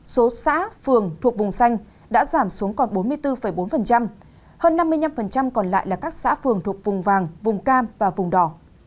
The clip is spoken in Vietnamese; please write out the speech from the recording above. số xã phường thuộc vùng xanh đã giảm xuống còn bốn mươi bốn bốn hơn năm mươi năm còn lại là các xã phường thuộc vùng vàng vùng cam và vùng đỏ